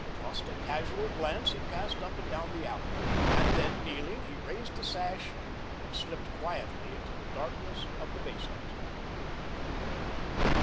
Just a casual glance he cast up and down the alley, and then, kneeling, he raised the sash and slipped quietly into the darkness of the basement.